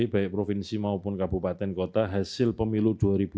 baik provinsi maupun kabupaten kota hasil pemilu dua ribu dua puluh